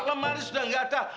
lemari sudah gak ada